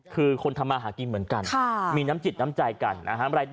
คือคนธรรมาหากินเหมือนกันค่ะมีน้ำจิตน้ำใจกันอ่าฮะ